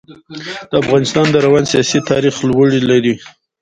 د افغانستان د روان سیاسي تاریخ لوړې لري.